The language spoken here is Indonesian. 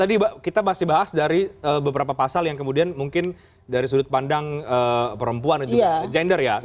tadi kita masih bahas dari beberapa pasal yang kemudian mungkin dari sudut pandang perempuan dan juga gender ya